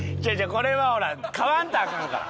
これはほら買わんとアカンから。